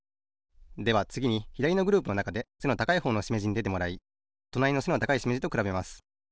ではつぎにひだりのグループのなかで背の高いほうのしめじにでてもらいとなりの背の高いしめじとくらべます。